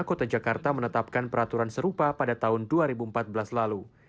kota jakarta menetapkan peraturan serupa pada tahun dua ribu empat belas lalu